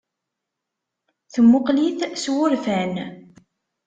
Temmuqqel-it s wurfan.